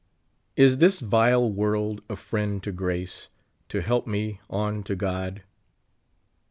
"Is this vile world a friend to grace, To help me on to God?"